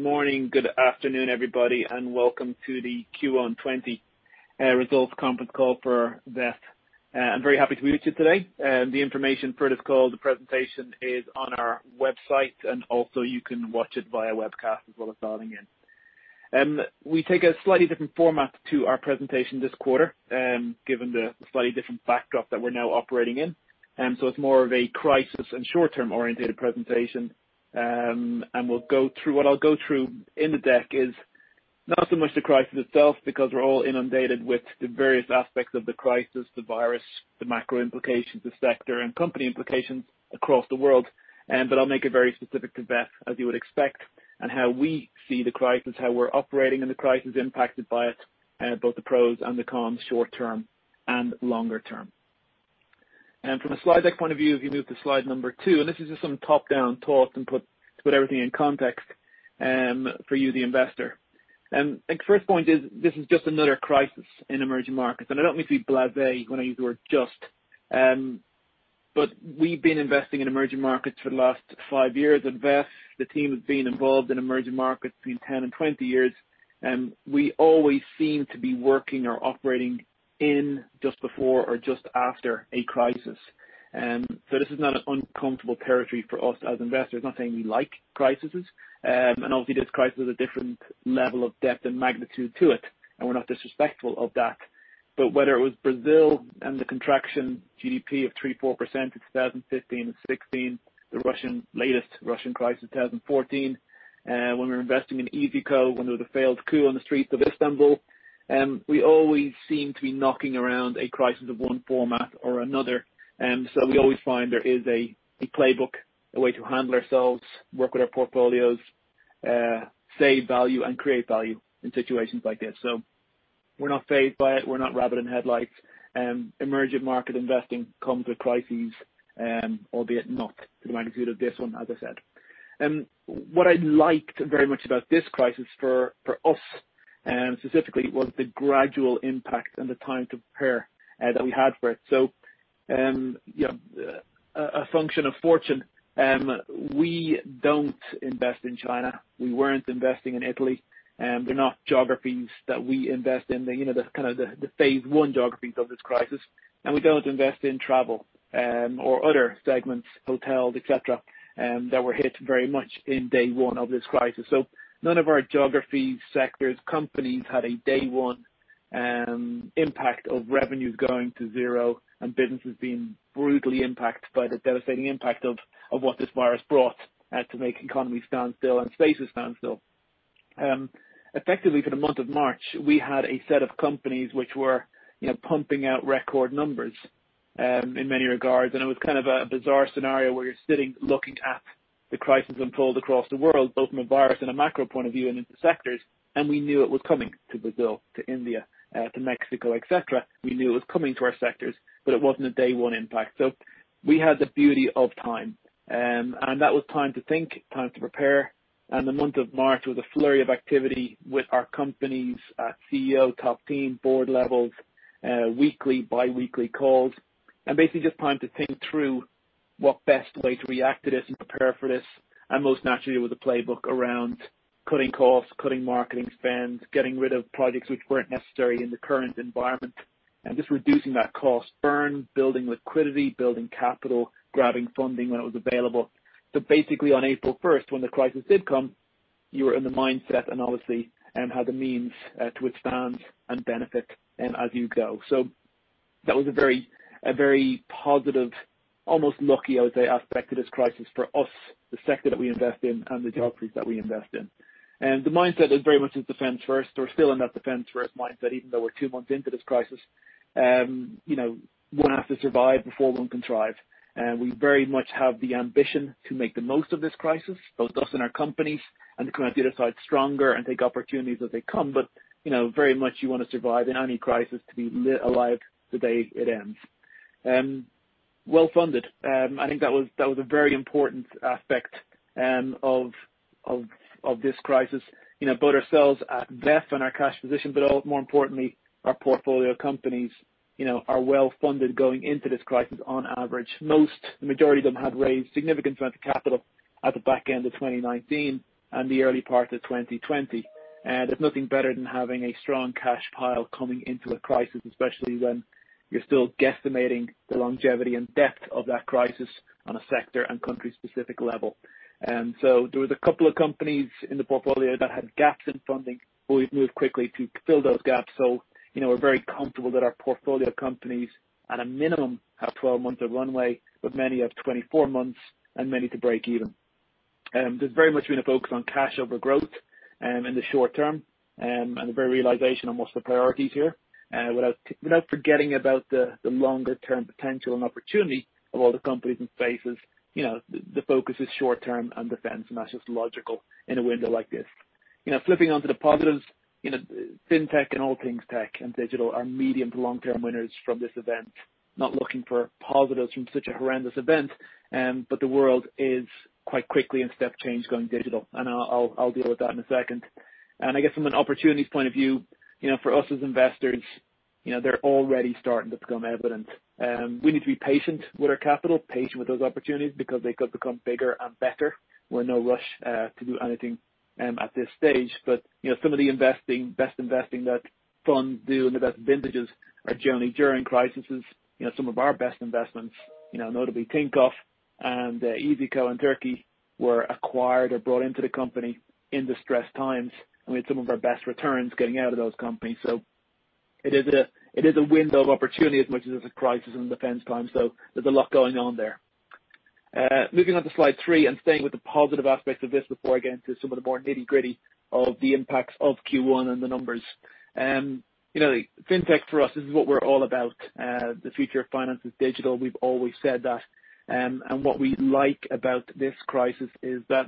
Morning, good afternoon everybody, and welcome to the Q1 2020 Results Conference Call for VEF. I'm very happy to be with you today. The information for this call, the presentation, is on our website, and also you can watch it via webcast as well as dialing in. We take a slightly different format to our presentation this quarter, given the slightly different backdrop that we're now operating in, so it's more of a crisis and short-term oriented presentation, and what I'll go through in the deck is not so much the crisis itself, because we're all inundated with the various aspects of the crisis, the virus, the macro implications, the sector, and company implications across the world. But I'll make it very specific to VEF, as you would expect, and how we see the crisis, how we're operating in the crisis impacted by it, both the pros and the cons, short-term and longer-term, and from a slide deck point of view, if you move to slide number two, and this is just some top-down thoughts and put everything in context for you, the investor. The first point is this is just another crisis in emerging markets, and I don't mean to be blasé when I use the word just, but we've been investing in emerging markets for the last five years, and VEF, the team has been involved in emerging markets between 10 and 20 years. We always seem to be working or operating in just before or just after a crisis, so this is not an uncomfortable territory for us as investors. Not saying we like crises. And obviously, this crisis has a different level of depth and magnitude to it, and we're not disrespectful of that. But whether it was Brazil and the contraction GDP of 3%-4% in 2015 and 2016, the latest Russian crisis in 2014, when we were investing in iyzico, when there was a failed coup on the streets of Istanbul, we always seem to be knocking around a crisis of one format or another. So we always find there is a playbook, a way to handle ourselves, work with our portfolios, save value, and create value in situations like this. So we're not fazed by it. We're not rabbit in headlights. Emerging market investing comes with crises, albeit not to the magnitude of this one, as I said. What I liked very much about this crisis for us specifically was the gradual impact and the time to prepare that we had for it, so a function of fortune, we don't invest in China. We weren't investing in Italy. They're not geographies that we invest in, the kind of the phase I geographies of this crisis, and we don't invest in travel or other segments, hotels, etc., that were hit very much in day one of this crisis, so none of our geographies, sectors, companies had a day one impact of revenues going to zero and businesses being brutally impacted by the devastating impact of what this virus brought to make economies stand still and spaces stand still. Effectively, for the month of March, we had a set of companies which were pumping out record numbers in many regards. It was kind of a bizarre scenario where you were sitting looking at the crisis unfold across the world, both from a virus and a macro point of view and into sectors. We knew it was coming to Brazil, to India, to Mexico, etc. We knew it was coming to our sectors, but it was not a day one impact. We had the beauty of time. That was time to think, time to prepare. The month of March was a flurry of activity with our companies, CEO, top team, board levels, weekly, biweekly calls. Basically just time to think through what best way to react to this and prepare for this. And most naturally, it was a playbook around cutting costs, cutting marketing spend, getting rid of projects which weren't necessary in the current environment, and just reducing that cost burn, building liquidity, building capital, grabbing funding when it was available. So basically, on April 1st, when the crisis did come, you were in the mindset and obviously had the means to withstand and benefit as you go. So that was a very positive, almost lucky, I would say, aspect of this crisis for us, the sector that we invest in, and the geographies that we invest in. And the mindset is very much a defense first. We're still in that defense first mindset, even though we're two months into this crisis. One has to survive before one can thrive. We very much have the ambition to make the most of this crisis, both us and our companies, and the community at the other side stronger and take opportunities as they come, but very much you want to survive in any crisis to be alive the day it ends, well funded. I think that was a very important aspect of this crisis. Both ourselves at VEF and our cash position, but more importantly, our portfolio companies are well funded going into this crisis on average. Most, the majority of them had raised significant amounts of capital at the back end of 2019 and the early part of 2020, and there's nothing better than having a strong cash pile coming into a crisis, especially when you're still guesstimating the longevity and depth of that crisis on a sector and country-specific level. So there was a couple of companies in the portfolio that had gaps in funding who we've moved quickly to fill those gaps. So we're very comfortable that our portfolio companies at a minimum have 12 months of runway, but many have 24 months and many to break even. There's very much been a focus on cash over growth in the short term and the very realization of most of the priorities here. Without forgetting about the longer-term potential and opportunity of all the companies and spaces, the focus is short term and defense, and that's just logical in a window like this. Flipping onto the positives, fintech and all things tech and digital are medium to long-term winners from this event. Not looking for positives from such a horrendous event, but the world is quite quickly in step change going digital. And I'll deal with that in a second. And I guess from an opportunity point of view, for us as investors, they're already starting to become evident. We need to be patient with our capital, patient with those opportunities because they could become bigger and better. We're in no rush to do anything at this stage. But some of the investing, best investing that funds do and the best vintages are generally during crises. Some of our best investments, notably Tinkoff and iyzico in Turkey, were acquired or brought into the company in distressed times. And we had some of our best returns getting out of those companies. So it is a window of opportunity as much as it's a crisis and defense time. So there's a lot going on there. Moving on to slide three and staying with the positive aspects of this before I get into some of the more nitty-gritty of the impacts of Q1 and the numbers. Fintech for us, this is what we're all about. The future of finance is digital. We've always said that, and what we like about this crisis is that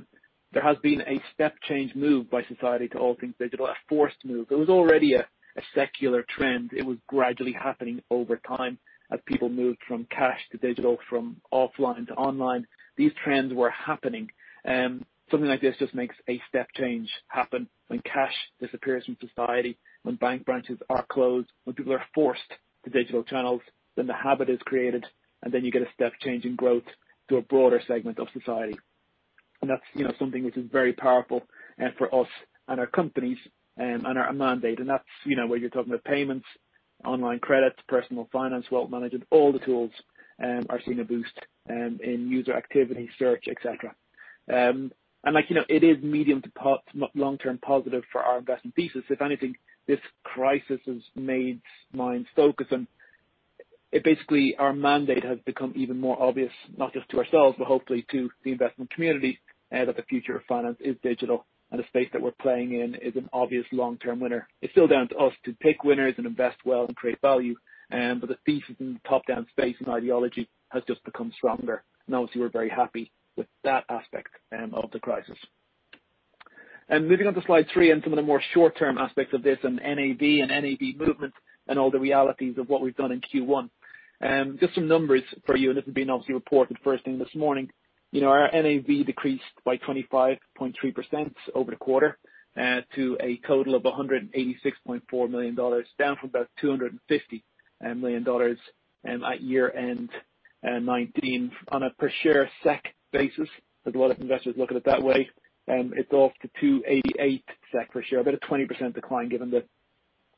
there has been a step change move by society to all things digital, a forced move. It was already a secular trend. It was gradually happening over time as people moved from cash to digital, from offline to online. These trends were happening. Something like this just makes a step change happen. When cash disappears from society, when bank branches are closed, when people are forced to digital channels, then the habit is created, and then you get a step change in growth to a broader segment of society. And that's something which is very powerful for us and our companies and our mandate. And that's where you're talking about payments, online credits, personal finance, wealth management, all the tools are seeing a boost in user activity, search, etc. And it is medium to long-term positive for our investment thesis. If anything, this crisis has made minds focus on it. Basically, our mandate has become even more obvious, not just to ourselves, but hopefully to the investment community, that the future of finance is digital and the space that we're playing in is an obvious long-term winner. It's still down to us to pick winners and invest well and create value. But the thesis in the top-down space and ideology has just become stronger. And obviously, we're very happy with that aspect of the crisis. Moving on to slide three and some of the more short-term aspects of this and NAV and NAV movement and all the realities of what we've done in Q1. Just some numbers for you, and this has been obviously reported first thing this morning. Our NAV decreased by 25.3% over the quarter to a total of $186.4 million, down from about $250 million at year-end 2019. On a per-share SEK basis, there's a lot of investors looking at it that way. It's off to 288 SEK per share, about a 20% decline given the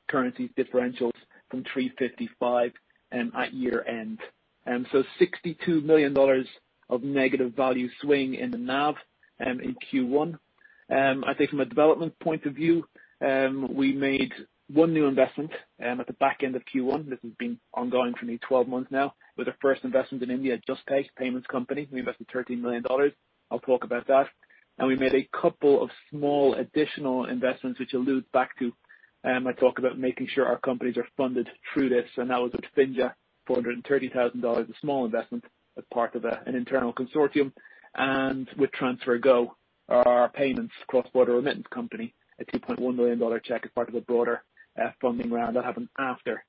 currency differentials from 355 at year-end. So $62 million of negative value swing in the NAV in Q1. I think from a development point of view, we made one new investment at the back end of Q1. This has been ongoing for nearly 12 months now. It was our first investment in India, Juspay, payments company. We invested $13 million. I'll talk about that, and we made a couple of small additional investments which allude back to my talk about making sure our companies are funded through this, and that was with Finja, $430,000, a small investment as part of an internal consortium, and with TransferGo, our payments cross-border remittance company, a $2.1 million check as part of a broader funding round that happened after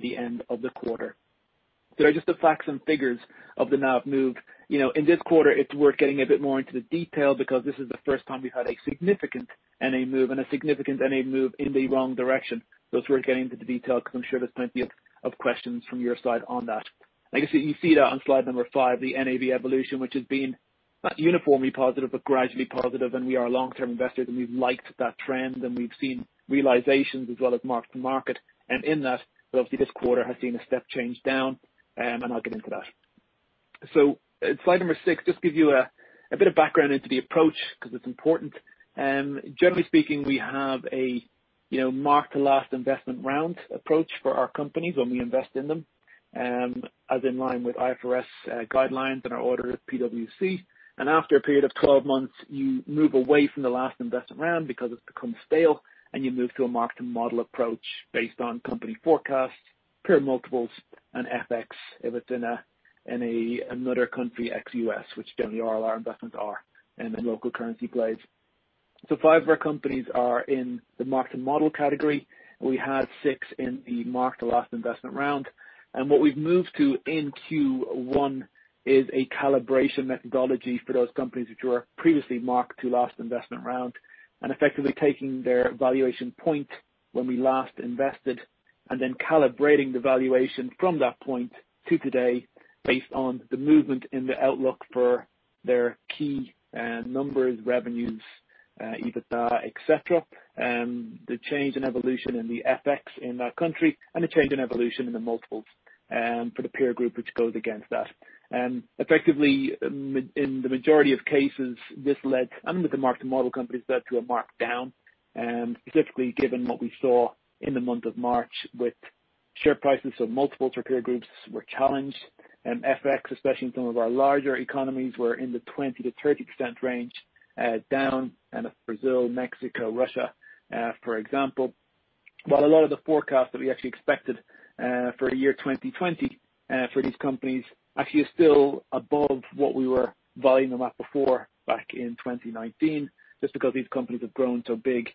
the end of the quarter, so they're just the facts and figures of the NAV move. In this quarter, it's worth getting a bit more into the detail because this is the first time we've had a significant NAV move and a significant NAV move in the wrong direction, so it's worth getting into the detail because I'm sure there's plenty of questions from your side on that. I guess you see that on slide number five, the NAV evolution, which has been not uniformly positive, but gradually positive, and we are long-term investors, and we've liked that trend, and we've seen realizations as well as mark-to-market, and in that, obviously, this quarter has seen a step change down, and I'll get into that, so slide number six just gives you a bit of background into the approach because it's important. Generally speaking, we have a mark-to-last investment round approach for our companies when we invest in them, as in line with IFRS guidelines and our auditor at PwC. And after a period of 12 months, you move away from the last investment round because it's become stale, and you move to a mark-to-model approach based on company forecasts, pure multiples, and FX if it's in another country, ex-U.S., which generally all our investments are in local currency plays. So five of our companies are in the mark-to-model category. We had six in the mark-to-last investment round. And what we've moved to in Q1 is a calibration methodology for those companies which were previously marked to last investment round and effectively taking their valuation point when we last invested and then calibrating the valuation from that point to today based on the movement in the outlook for their key numbers, revenues, EBITDA, etc., the change in evolution in the FX in that country, and the change in evolution in the multiples for the peer group which goes against that. Effectively, in the majority of cases, this led, and with the mark-to-model companies, led to a markdown, specifically given what we saw in the month of March with share prices. So multiples for peer groups were challenged. FX, especially in some of our larger economies, were in the 20%-30% range, down, and Brazil, Mexico, Russia, for example. While a lot of the forecast that we actually expected for year 2020 for these companies actually is still above what we were valuing them at before back in 2019, just because these companies have grown so big,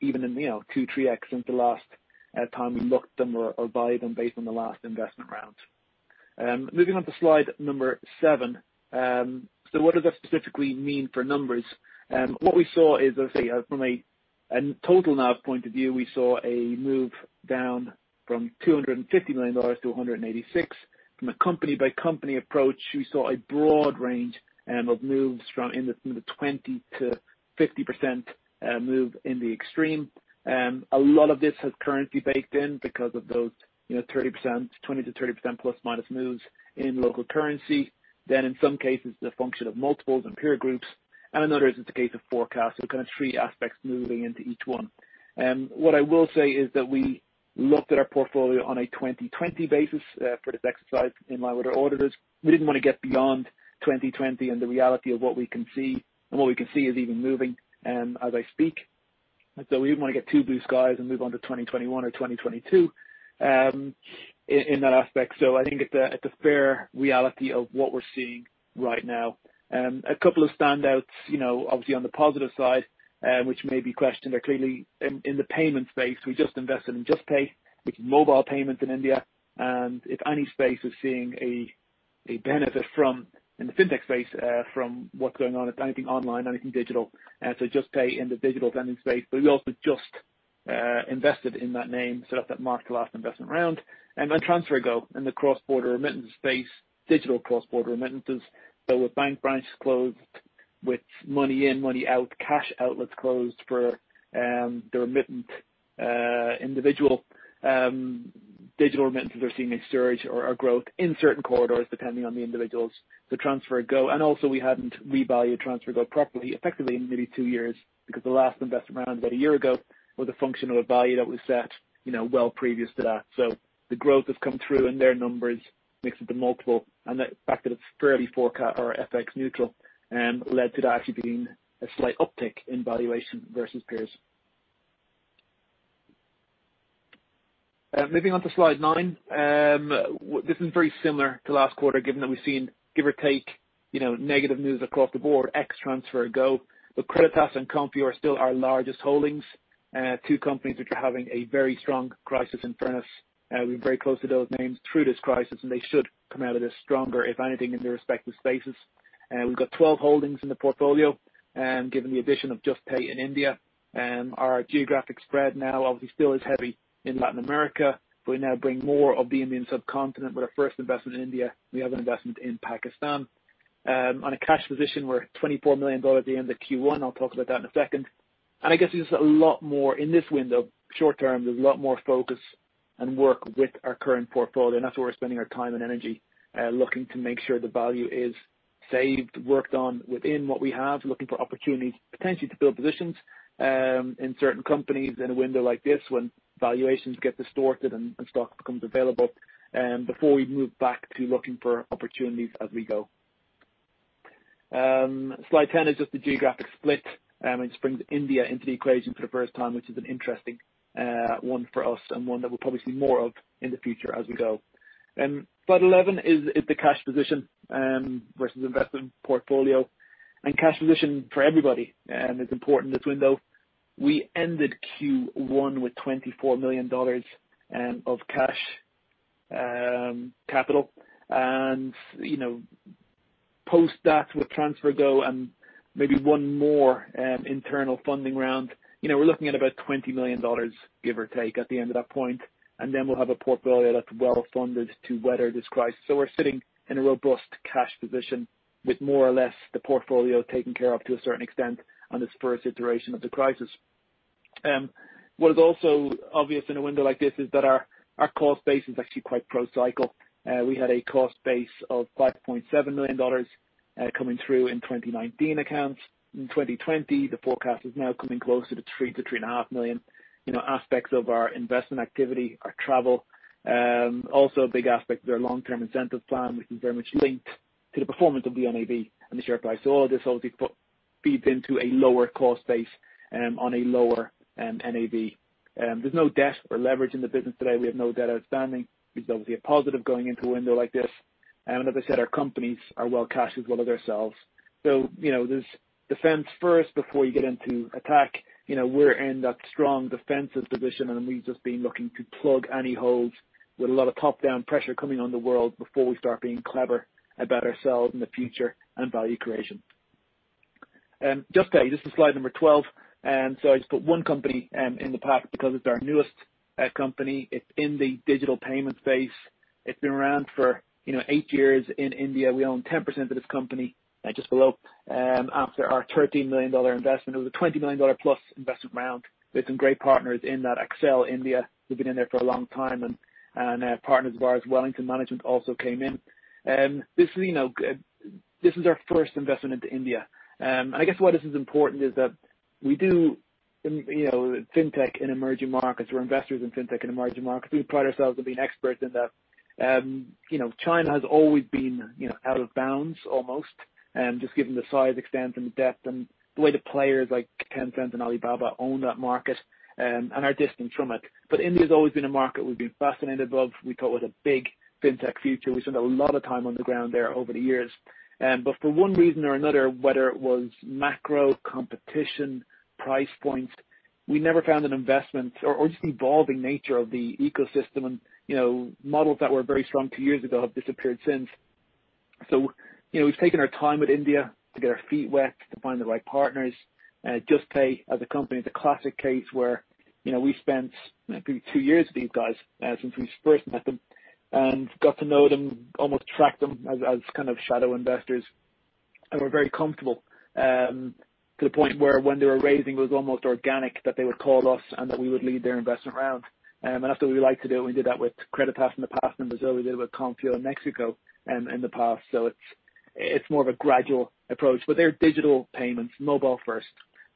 even in 2x, 3x since the last time we looked at them or valued them based on the last investment round. Moving on to slide number seven. So what does that specifically mean for numbers? What we saw is, as I say, from a total NAV point of view, we saw a move down from $250 million to $186 million. From a company-by-company approach, we saw a broad range of moves from the 20%-50% move in the extreme. A lot of this has currency baked in because of those 30%, 20%-30% plus minus moves in local currency, then in some cases the function of multiples and peer groups, and another is the case of forecast, so kind of three aspects moving into each one. What I will say is that we looked at our portfolio on a 2020 basis for this exercise in line with our auditors. We didn't want to get beyond 2020 and the reality of what we can see, and what we can see is even moving as I speak. And so we didn't want to get too blue skies and move on to 2021 or 2022 in that aspect. So I think it's a fair reality of what we're seeing right now. A couple of standouts, obviously on the positive side, which may be questioned, are clearly in the payment space. We just invested in Juspay, which is mobile payments in India. And if any space is seeing a benefit from, in the fintech space, from what's going on, anything online, anything digital. So Juspay in the digital lending space. But we also just invested in that name, set up that mark-to-last investment round. And TransferGo in the cross-border remittance space, digital cross-border remittances. So with bank branches closed, with money in, money out, cash outlets closed for the remitting individual. Digital remittances are seeing a surge or growth in certain corridors depending on the individuals. So TransferGo. Also, we hadn't revalued TransferGo properly, effectively in maybe two years because the last investment round about a year ago was a function of a value that was set well previous to that. The growth has come through in their numbers, mixed with the multiple, and the fact that it's fairly forecast or FX neutral led to that actually being a slight uptick in valuation versus peers. Moving on to slide nine. This is very similar to last quarter given that we've seen, give or take, negative news across the board, ex-TransferGo. Creditas and Konfío are still our largest holdings, two companies which are having a very strong crisis performance. We're very close to those names through this crisis, and they should come out of this stronger, if anything, in their respective spaces. We've got 12 holdings in the portfolio given the addition of Juspay in India. Our geographic spread now obviously still is heavy in Latin America, but we now bring more of the Indian subcontinent with our first investment in India. We have an investment in Pakistan. On a cash position, we're at $24 million at the end of Q1. I'll talk about that in a second, and I guess there's a lot more in this window. Short term, there's a lot more focus and work with our current portfolio, and that's where we're spending our time and energy looking to make sure the value is saved, worked on within what we have, looking for opportunities potentially to build positions in certain companies in a window like this when valuations get distorted and stock becomes available before we move back to looking for opportunities as we go. Slide 10 is just the geographic split. It just brings India into the equation for the first time, which is an interesting one for us and one that we'll probably see more of in the future as we go. Slide 11 is the cash position versus investment portfolio, and cash position for everybody is important in this window. We ended Q1 with $24 million of cash capital, and post that with TransferGo and maybe one more internal funding round, we're looking at about $20 million, give or take, at the end of that point, and then we'll have a portfolio that's well funded to weather this crisis, so we're sitting in a robust cash position with more or less the portfolio taken care of to a certain extent on this first iteration of the crisis. What is also obvious in a window like this is that our cost base is actually quite pro-cycle. We had a cost base of $5.7 million coming through in 2019 accounts. In 2020, the forecast is now coming closer to $3 million-$3.5 million. Aspects of our investment activity, our travel, also a big aspect of their long-term incentive plan, which is very much linked to the performance of the NAV and the share price. So all of this obviously feeds into a lower cost base on a lower NAV. There's no debt or leverage in the business today. We have no debt outstanding, which is obviously a positive going into a window like this. And as I said, our companies are well cashed as well as ourselves. So defense first before you get into attack. We're in that strong defensive position, and we've just been looking to plug any holes with a lot of top-down pressure coming on the world before we start being clever about ourselves in the future and value creation. Juspay, this is slide number 12. So I just put one company in the pack because it's our newest company. It's in the digital payment space. It's been around for eight years in India. We own 10% of this company. Just below. After our $13 million investment, it was a $20 million+ investment round with some great partners in that Accel, India. They've been in there for a long time. And partners of ours, Wellington Management, also came in. This is our first investment into India. And I guess why this is important is that we do fintech in emerging markets. We're investors in fintech in emerging markets. We pride ourselves on being experts in that. China has always been out of bounds almost, just given the size, extent, and the depth, and the way the players like Tencent and Alibaba own that market and our distance from it. But India has always been a market we've been fascinated by. We thought it was a big fintech future. We spent a lot of time on the ground there over the years. But for one reason or another, whether it was macro competition, price points, we never found an investment or just the evolving nature of the ecosystem. And models that were very strong two years ago have disappeared since. So we've taken our time with India to get our feet wet, to find the right partners. Juspay as a company is a classic case where we spent maybe two years with these guys since we first met them and got to know them, almost tracked them as kind of shadow investors. We're very comfortable to the point where when they were raising, it was almost organic that they would call us and that we would lead their investment round. That's what we like to do. We did that with Creditas in the past in Brazil. We did it with Konfío in Mexico in the past. It's more of a gradual approach. They're digital payments, mobile first.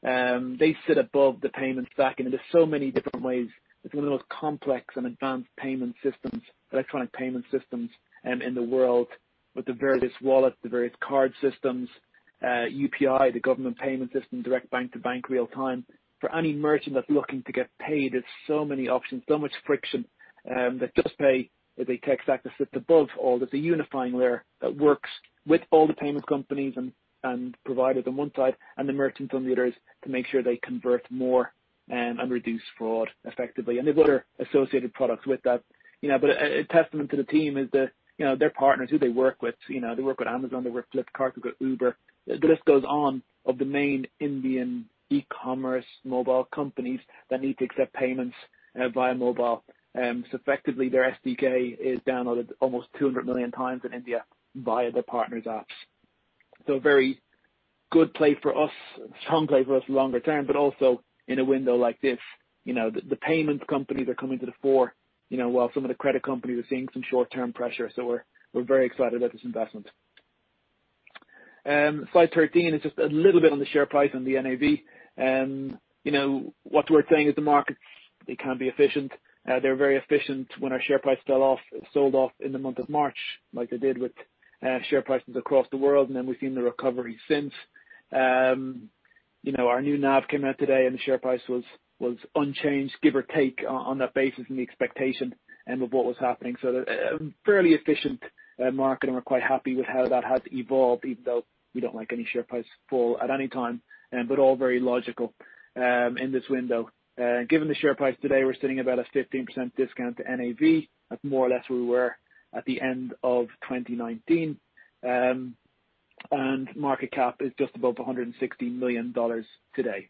They sit above the payment stack. There's so many different ways. It's one of the most complex and advanced payment systems, electronic payment systems in the world with the various wallets, the various card systems, UPI, the government payment system, direct bank-to-bank real time. For any merchant that's looking to get paid, there's so many options, so much friction that Juspay, as a tech stack, sits above all. There's a unifying layer that works with all the payments companies and providers on one side and the merchants on the others to make sure they convert more and reduce fraud effectively, and they've got their associated products with that, but a testament to the team is their partners, who they work with. They work with Amazon. They work with Flipkart. They work with Uber. The list goes on of the main Indian e-commerce mobile companies that need to accept payments via mobile. So effectively, their SDK is downloaded almost 200 million times in India via their partner's apps. So a very good play for us, strong play for us longer term, but also in a window like this, the payments companies are coming to the fore while some of the credit companies are seeing some short-term pressure. So we're very excited about this investment. Slide 13 is just a little bit on the share price and the NAV. What we're saying is the markets, they can be efficient. They're very efficient when our share price fell off, sold off in the month of March like they did with share prices across the world. And then we've seen the recovery since. Our new NAV came out today, and the share price was unchanged, give or take on that basis and the expectation of what was happening. So fairly efficient market, and we're quite happy with how that has evolved, even though we don't like any share price fall at any time, but all very logical in this window. Given the share price today, we're sitting about a 15% discount to NAV, at more or less where we were at the end of 2019. And market cap is just above $160 million today.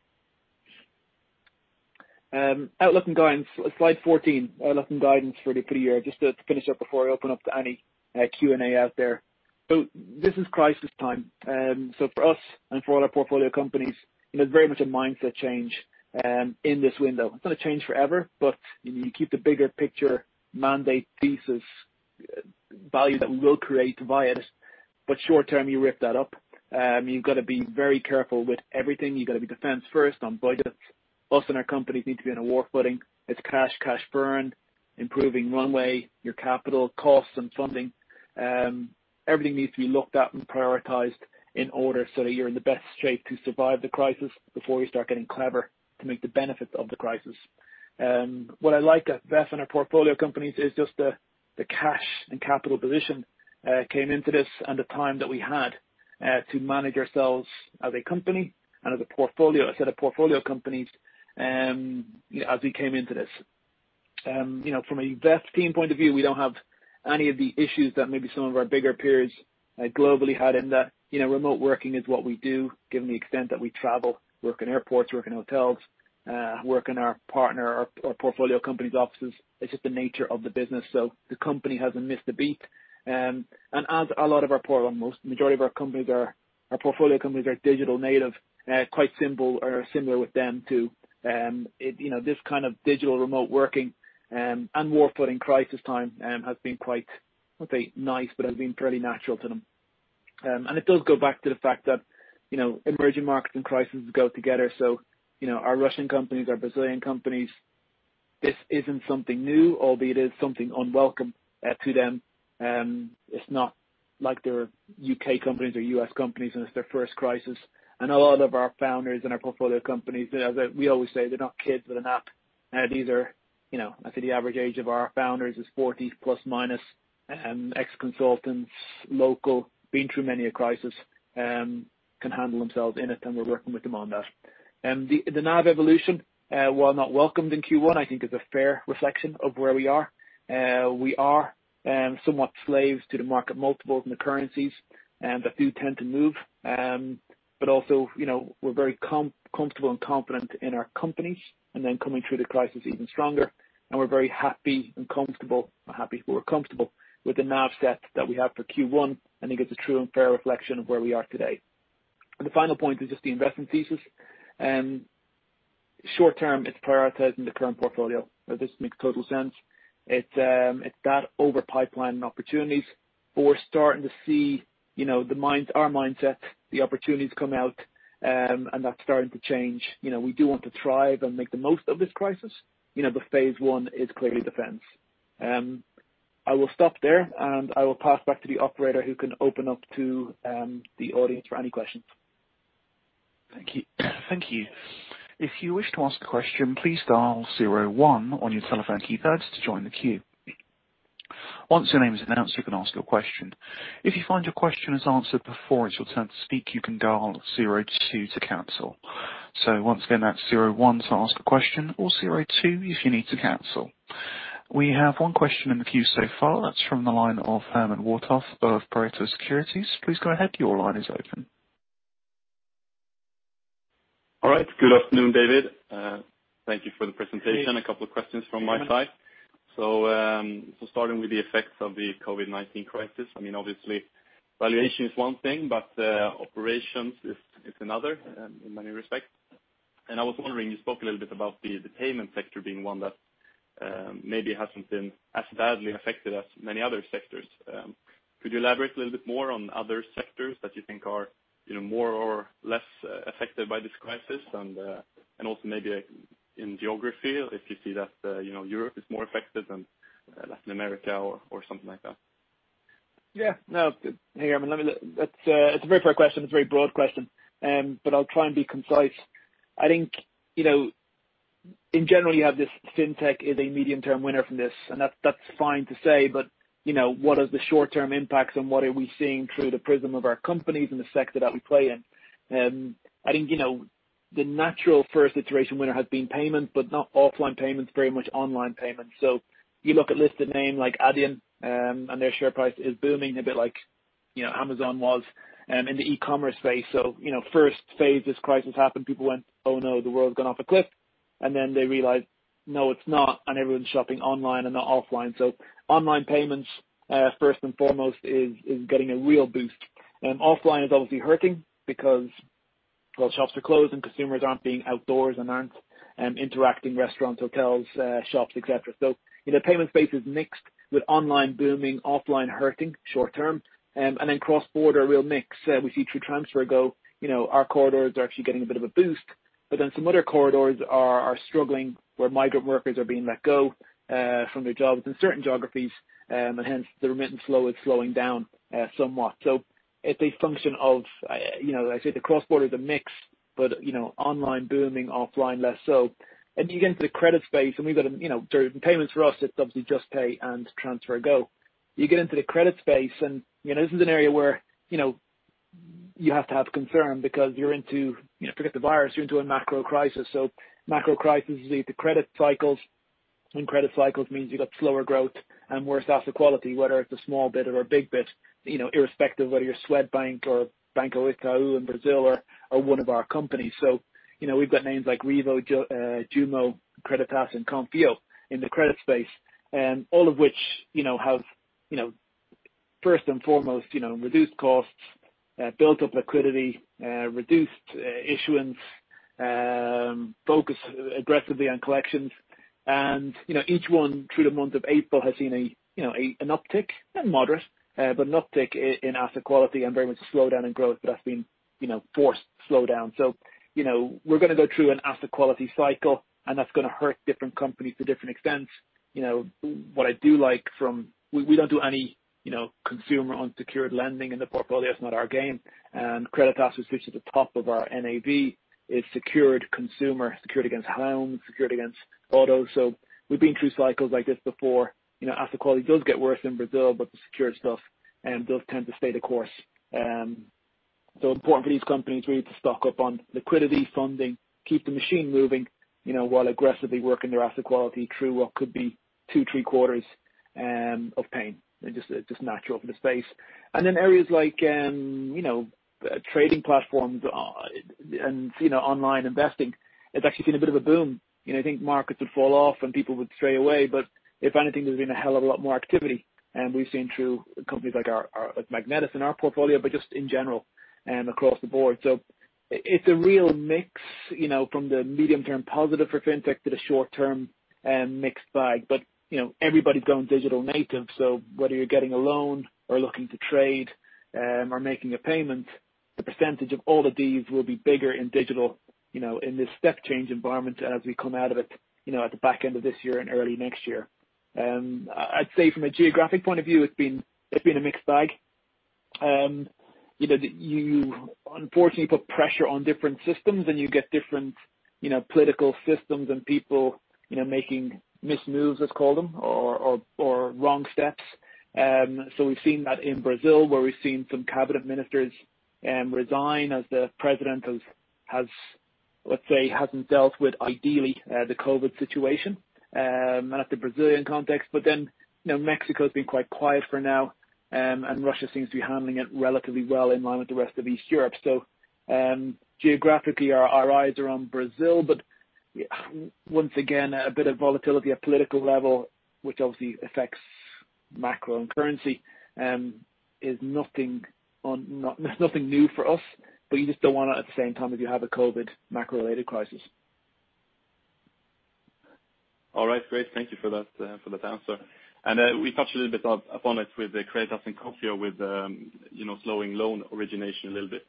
Outlook and guidance. Slide 14, outlook and guidance for the year, just to finish up before I open up to any Q&A out there. So this is crisis time. So for us and for all our portfolio companies, there's very much a mindset change in this window. It's not a change forever, but you keep the bigger picture mandate thesis value that we will create via this. But short term, you rip that up. You've got to be very careful with everything. You've got to be defense first on budgets. Us and our companies need to be on a war footing. It's cash, cash burn, improving runway, your capital, costs, and funding. Everything needs to be looked at and prioritized in order so that you're in the best shape to survive the crisis before you start getting clever to make the benefit of the crisis. What I like best in our portfolio companies is just the cash and capital position came into this and the time that we had to manage ourselves as a company and as a portfolio, a set of portfolio companies as we came into this. From a VEF team point of view, we don't have any of the issues that maybe some of our bigger peers globally had. In that remote working is what we do, given the extent that we travel, work in airports, work in hotels, work in our partner or portfolio company's offices. It's just the nature of the business, so the company hasn't missed a beat, and as a lot of our portfolio, the majority of our portfolio companies are digital native, quite similar with them too. This kind of digital remote working and war footing crisis time has been quite, I would say, nice, but has been fairly natural to them, and it does go back to the fact that emerging markets and crises go together, so our Russian companies, our Brazilian companies, this isn't something new, albeit it is something unwelcome to them. It's not like they're U.K. companies or U.S. companies and it's their first crisis. And a lot of our founders and our portfolio companies, as we always say, they're not kids with an app. These are, I'd say, the average age of our founders is 40±. Ex-consultants, local, been through many a crisis, can handle themselves in it, and we're working with them on that. The NAV evolution, while not welcomed in Q1, I think is a fair reflection of where we are. We are somewhat slaves to the market multiples and the currencies that do tend to move. But also, we're very comfortable and confident in our companies and then coming through the crisis even stronger, and we're very happy and comfortable. I'm happy that we're comfortable with the NAV set that we have for Q1. I think it's a true and fair reflection of where we are today. The final point is just the investment thesis. Short term, it's prioritizing the current portfolio. This makes total sense. It's that over pipeline and opportunities. We're starting to see our mindset, the opportunities come out, and that's starting to change. We do want to thrive and make the most of this crisis, but phase one is clearly defense. I will stop there, and I will pass back to the operator who can open up to the audience for any questions. Thank you. Thank you. If you wish to ask a question, please dial zero-one on your telephone keypad to join the queue. Once your name is announced, you can ask your question. If you find your question is answered before it's your turn to speak, you can dial zero-two to cancel. So once again, that's zero-one to ask a question or zero-two if you need to cancel. We have one question in the queue so far. That's from the line Herman Wartoft of Pareto Securities. Please go ahead. Your line is open. All right. Good afternoon, David. Thank you for the presentation. A couple of questions from my side. So starting with the effects of the COVID-19 crisis, I mean, obviously, valuation is one thing, but operations is another in many respects. And I was wondering, you spoke a little bit about the payment sector being one that maybe hasn't been as badly affected as many other sectors. Could you elaborate a little bit more on other sectors that you think are more or less affected by this crisis? And also maybe in geography, if you see that Europe is more affected than Latin America or something like that. Yeah. No, hey, Herman. It's a very fair question. It's a very broad question, but I'll try and be concise. I think in general, you have this fintech is a medium-term winner from this, and that's fine to say, but what are the short-term impacts and what are we seeing through the prism of our companies and the sector that we play in? I think the natural first iteration winner has been payments, but not offline payments, very much online payments. So you look at listed name like Adyen, and their share price is booming a bit like Amazon was in the e-commerce space. So first phase this crisis happened, people went, "Oh no, the world's gone off a cliff." And then they realized, "No, it's not," and everyone's shopping online and not offline. So online payments, first and foremost, is getting a real boost. Offline is obviously hurting because, well, shops are closed and consumers aren't being outdoors and aren't interacting: restaurants, hotels, shops, etc. The payment space is mixed with online booming, offline hurting short term. Cross-border is a real mix. We see TransferGo. Our corridors are actually getting a bit of a boost, but then some other corridors are struggling where migrant workers are being let go from their jobs in certain geographies, and hence the remittance flow is slowing down somewhat. It's a function of the cross-border being a mix, but online booming, offline less so. You get into the credit space, and we've got a sort of payments for us; it's obviously Juspay and TransferGo. You get into the credit space, and this is an area where you have to have concern because you're into, forget the virus, you're into a macro crisis. So macro crisis is the credit cycles, and credit cycles means you've got slower growth and worse asset quality, whether it's a small bit or a big bit, irrespective whether you're Swedbank or Banco Itaú in Brazil or one of our companies. So we've got names like Revo, Jumo, Creditas and Konfío in the credit space, all of which have, first and foremost, reduced costs, built up liquidity, reduced issuance, focused aggressively on collections. And each one, through the month of April, has seen an uptick, not moderate, but an uptick in asset quality and very much a slowdown in growth that has been forced slowdown. So we're going to go through an asset quality cycle, and that's going to hurt different companies to different extents. What I do like is we don't do any consumer unsecured lending in the portfolio. It's not our game. And Creditas was just at the top of our NAV. It's secured consumer, secured against home, secured against auto. So we've been through cycles like this before. Asset quality does get worse in Brazil, but the secured stuff does tend to stay the course. So important for these companies really to stock up on liquidity, funding, keep the machine moving while aggressively working their asset quality through what could be two, three quarters of pain. It's just natural for the space. And then areas like trading platforms and online investing, it's actually seen a bit of a boom. I think markets would fall off and people would stray away, but if anything, there's been a hell of a lot more activity. And we've seen through companies like Magnetis in our portfolio, but just in general across the board. It's a real mix from the medium-term positive for Fintech to the short-term mixed bag. Everybody's going digital native. Whether you're getting a loan or looking to trade or making a payment, the percentage of all of these will be bigger in digital in this step change environment as we come out of it at the back end of this year and early next year. From a geographic point of view, it's been a mixed bag. You unfortunately put pressure on different systems, and you get different political systems and people making missed moves, let's call them, or wrong steps. We've seen that in Brazil where we've seen some cabinet ministers resign as the president has, let's say, hasn't dealt with ideally the COVID situation in the Brazilian context. But then Mexico has been quite quiet for now, and Russia seems to be handling it relatively well in line with the rest of Eastern Europe. So geographically, our eyes are on Brazil, but once again, a bit of volatility at political level, which obviously affects macro and currency, is nothing new for us, but you just don't want to at the same time if you have a COVID macro-related crisis. All right. Great. Thank you for that answer, and we touched a little bit upon it with Creditas and Konfío with slowing loan origination a little bit.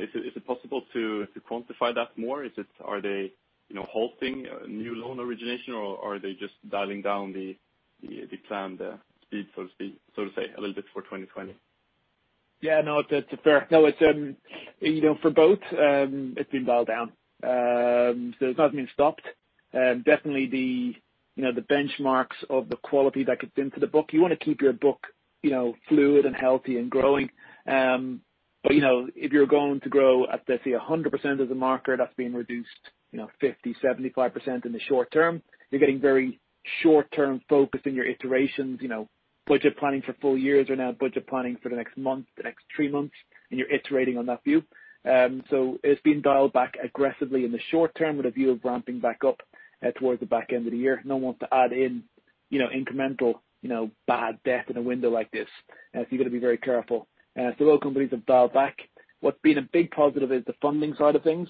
Is it possible to quantify that more? Are they halting new loan origination, or are they just dialing down the planned speed, so to say, a little bit for 2020? Yeah. No, that's fair. No, it's for both. It's been dialed down. So it's not been stopped. Definitely the benchmarks of the quality that gets into the book. You want to keep your book fluid and healthy and growing. But if you're going to grow at, let's say, 100% as a marker, that's been reduced 50%-75% in the short term. You're getting very short-term focus in your iterations. Budget planning for full years are now budget planning for the next month, the next three months, and you're iterating on that view. So it's been dialed back aggressively in the short term with a view of ramping back up towards the back end of the year. No one wants to add in incremental bad debt in a window like this. So you've got to be very careful. So a lot of companies have dialed back. What's been a big positive is the funding side of things.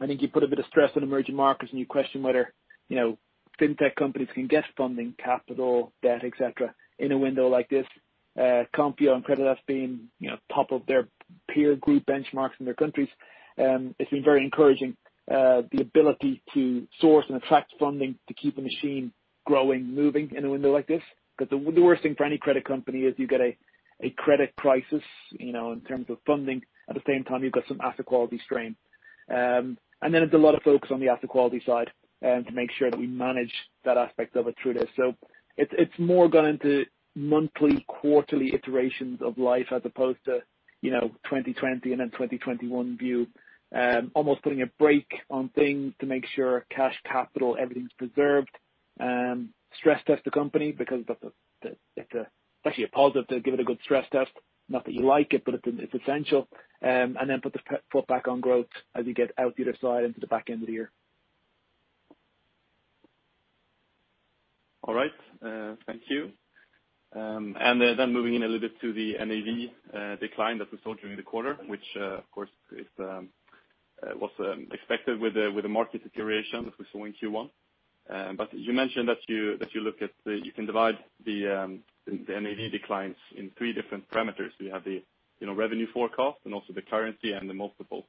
I think you put a bit of stress on emerging markets, and you question whether fintech companies can get funding, capital, debt, etc. in a window like this. Konfío and Creditas have been top of their peer group benchmarks in their countries. It's been very encouraging, the ability to source and attract funding to keep the machine growing, moving in a window like this. But the worst thing for any credit company is you get a credit crisis in terms of funding. At the same time, you've got some asset quality strain. And then it's a lot of focus on the asset quality side to make sure that we manage that aspect of it through this. It's more gone into monthly, quarterly iterations of life as opposed to 2020 and then 2021 view, almost putting a brake on things to make sure cash capital, everything's preserved, stress test the company because it's actually a positive to give it a good stress test, not that you like it, but it's essential. Then put the foot back on growth as you get out the other side into the back end of the year. All right. Thank you. And then moving in a little bit to the NAV decline that we saw during the quarter, which, of course, was expected with the market situation that we saw in Q1. But you mentioned that you can divide the NAV declines in three different parameters. We have the revenue forecast and also the currency and the multiples.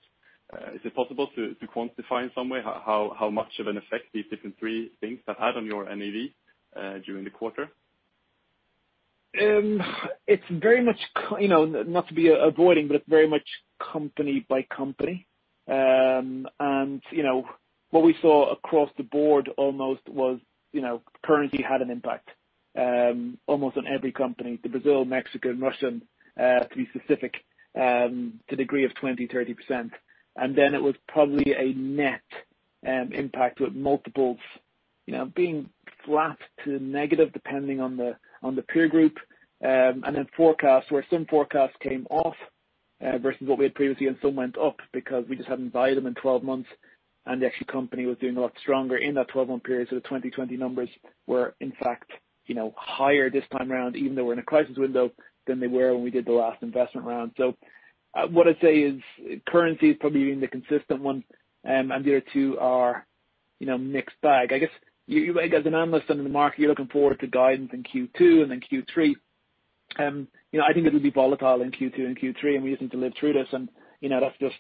Is it possible to quantify in some way how much of an effect these different three things have had on your NAV during the quarter? It's very much, not to be avoiding, but it's very much company by company. And what we saw across the board almost was currency had an impact almost on every company, the Brazilian, Mexican, and Russian, to be specific, to the degree of 20%-30%. And then it was probably a net impact with multiples being flat to negative depending on the peer group. And then forecasts, where some forecasts came off versus what we had previously, and some went up because we just hadn't valued them in 12 months, and the actual company was doing a lot stronger in that 12-month period. So the 2020 numbers were, in fact, higher this time around, even though we're in a crisis window, than they were when we did the last investment round. So what I'd say is currency is probably being the consistent one, and the other two are mixed bag. I guess you, as an analyst in the market, you're looking forward to guidance in Q2 and then Q3. I think it'll be volatile in Q2 and Q3, and we just need to live through this. And that's just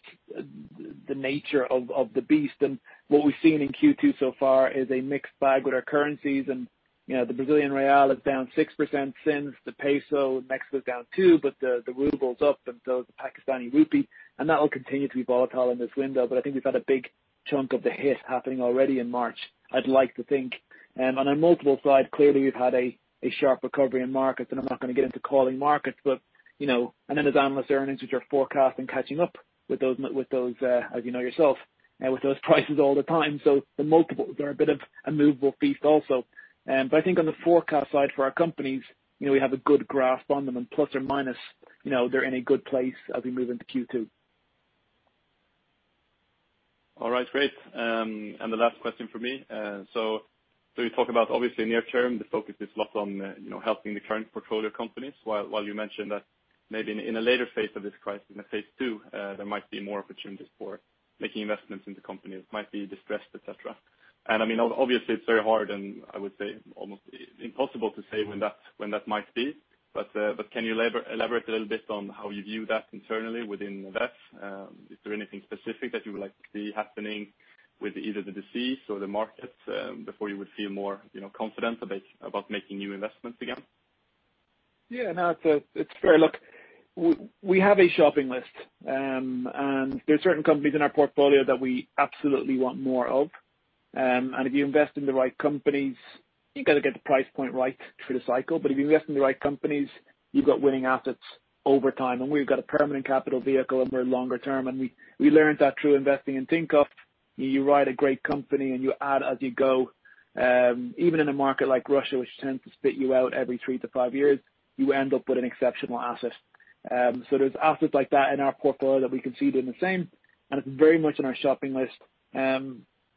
the nature of the beast. And what we've seen in Q2 so far is a mixed bag with our currencies. And the Brazilian real is down 6% since. The peso in Mexico is down 2%, but the ruble's up and so is the Pakistani rupee. And that will continue to be volatile in this window, but I think we've had a big chunk of the hit happening already in March, I'd like to think. And on the multiples side, clearly we've had a sharp recovery in markets, and I'm not going to get into calling markets, but I know there's analyst earnings which are forecast and catching up with those, as you know yourself, with those prices all the time. So the multiples are a bit of a movable feast also. But I think on the forecast side for our companies, we have a good grasp on them, and plus or minus, they're in a good place as we move into Q2. All right. Great. And the last question for me. So you talk about, obviously, near term, the focus is a lot on helping the current portfolio companies while you mentioned that maybe in a later phase of this crisis, in phase two, there might be more opportunities for making investments in the company that might be distressed, etc. And I mean, obviously, it's very hard and I would say almost impossible to say when that might be. But can you elaborate a little bit on how you view that internally within VEF? Is there anything specific that you would like to see happening with either the disease or the markets before you would feel more confident about making new investments again? Yeah. No, it's fair. Look, we have a shopping list, and there are certain companies in our portfolio that we absolutely want more of. And if you invest in the right companies, you've got to get the price point right for the cycle. But if you invest in the right companies, you've got winning assets over time. And we've got a permanent capital vehicle, and we're longer term. And we learned that through investing in Tinkoff. You ride a great company, and you add as you go. Even in a market like Russia, which tends to spit you out every three to five years, you end up with an exceptional asset. So there's assets like that in our portfolio that we concede in the same, and it's very much in our shopping list.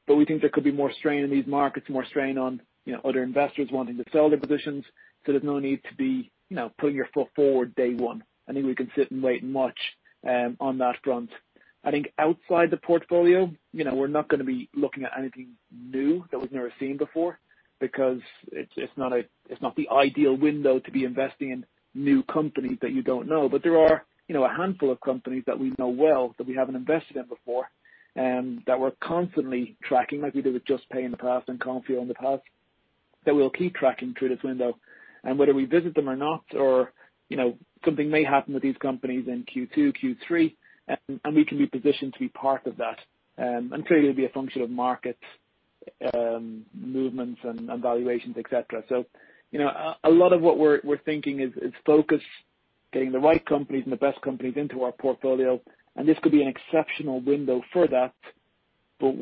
But we think there could be more strain in these markets, more strain on other investors wanting to sell their positions. So there's no need to be putting your foot forward day one. I think we can sit and wait and watch on that front. I think outside the portfolio, we're not going to be looking at anything new that we've never seen before because it's not the ideal window to be investing in new companies that you don't know. But there are a handful of companies that we know well that we haven't invested in before and that we're constantly tracking, like we did with Juspay in the past and Konfío in the past, that we'll keep tracking through this window. And whether we visit them or not, or something may happen with these companies in Q2, Q3, and we can be positioned to be part of that. Clearly, it'll be a function of market movements and valuations, etc. A lot of what we're thinking is focus, getting the right companies and the best companies into our portfolio. This could be an exceptional window for that, but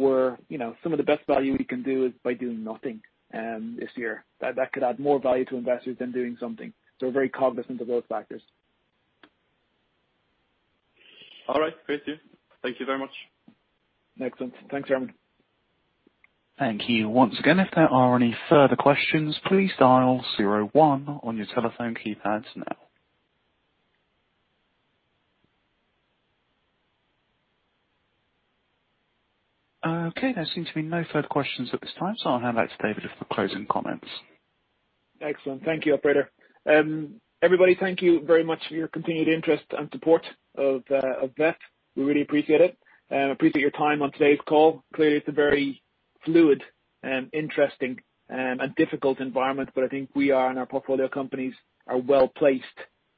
some of the best value we can do is by doing nothing this year. That could add more value to investors than doing something. We're very cognizant of those factors. All right. Great, Dave. Thank you very much. Excellent. Thanks, Herman. Thank you once again. If there are any further questions, please dial zero-one on your telephone keypad now. Okay. There seems to be no further questions at this time, so I'll hand back to David for closing comments. Excellent. Thank you, Operator. Everybody, thank you very much for your continued interest and support of VEF. We really appreciate it. I appreciate your time on today's call. Clearly, it's a very fluid, interesting, and difficult environment, but I think we and our portfolio companies are well placed,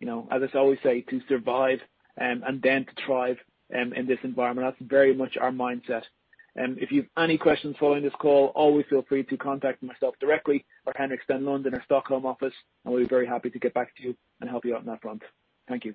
as I always say, to survive and then to thrive in this environment. That's very much our mindset. If you have any questions following this call, always feel free to contact myself directly or Henrik Stenlund, London or Stockholm office, and we'll be very happy to get back to you and help you out on that front. Thank you.